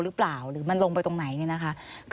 สวัสดีค่ะที่จอมฝันครับ